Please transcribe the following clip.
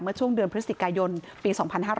ช่วงเดือนพฤศจิกายนปี๒๕๕๙